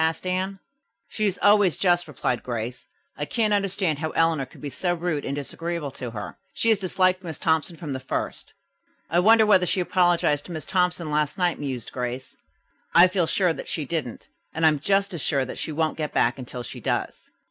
asked Anne. "She is always just," replied Grace. "I can't understand how Eleanor could be so rude and disagreeable to her. She has disliked Miss Thompson from the first." "I wonder whether she apologized to Miss Thompson last night," mused Grace. "I feel sure that she didn't, and I am just as sure that she won't get back until she does."